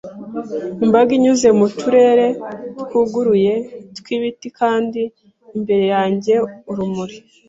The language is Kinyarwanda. imbaga inyuze mu turere twuguruye twibiti, kandi imbere yanjye urumuri